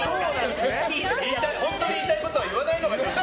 本当に言いたいことは言わないのが女子会。